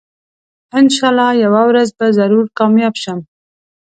انشاالله یوه ورځ به ضرور کامیاب شم